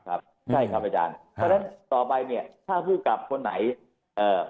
ครับใช่ครับอาจารย์เพราะฉะนั้นต่อไปเนี่ยถ้าผู้กลับคนไหนเอ่อ